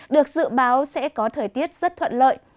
được dự báo sẽ có thời tiết rất thuận lợi